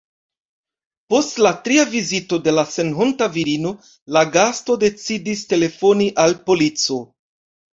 Post la tria vizito de la senhonta virino la gasto decidis telefoni al polico.